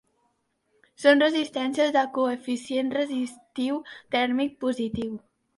Són resistències de coeficient resistiu tèrmic positiu.